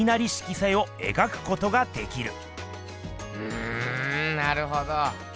うんなるほど。